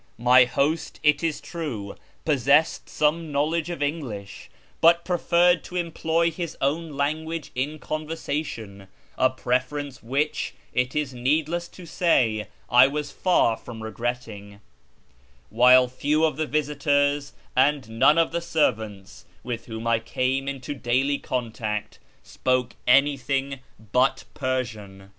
My host, it is true, possessed some knowledge ot" English, but preferred to employ his own language in con versation ; a preference which, it is needless to say, I was far from regretting; while few of the visitors, and none of the servants, with whom I came into daily contact, spoke anything but Persian.